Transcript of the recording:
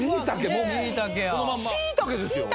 もうしいたけですよ